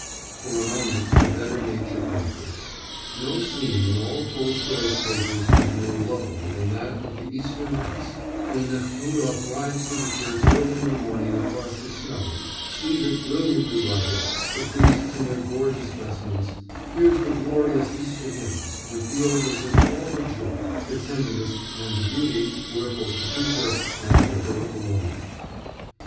For a moment the better nature conquers. No scene in all Tolstoy's pages is more lovely than that of the Easter Mass, when Nekhlúdof rides to the church early in the morning across the snow, sees it brilliantly lighted, the priests in their gorgeous vestments, hears the glorious Easter hymns, and feels as if all the joy, the tenderness, and the beauty were for Katusha and for her alone.